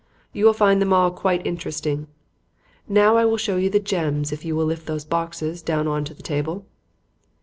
You will find them all quite interesting. Now I will show you the gems if you will lift those boxes down on to the table."